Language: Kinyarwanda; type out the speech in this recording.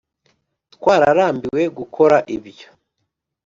Twararambiwe gukora ibyo